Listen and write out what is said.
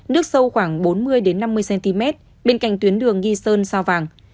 nước sâu khoảng bốn mươi năm mươi cm bên cạnh tuyến đường nghi sơn sao vàng